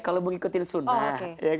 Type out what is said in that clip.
kalau mengikuti sunnah